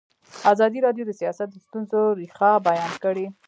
ازادي راډیو د سیاست د ستونزو رېښه بیان کړې.